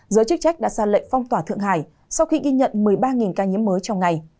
giới chức trách đã ra lệnh phong tỏa thượng hải sau khi ghi nhận một mươi ba ca nhiễm mới trong ngày